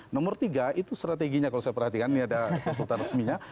nomor tiga itu strateginya kalau saya perhatikan ini ada konsultan resminya